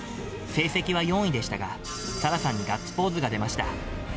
成績は４位でしたが、沙羅さんにガッツポーズが出ました。